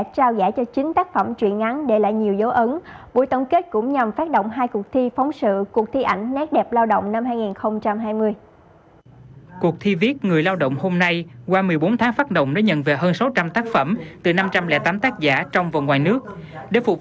trúc vạn thịnh pháp